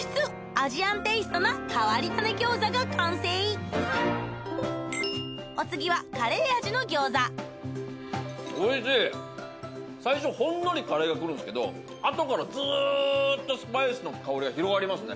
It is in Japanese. アジアンテイストな変わり種餃子が完成お次は最初ほんのりカレーが来るんですけど後からずっとスパイスの香りが広がりますね。